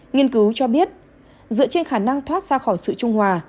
nghiên cứu cho biết dựa trên khả năng thoát ra khỏi sự trung hòa